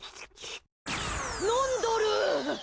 飲んどる！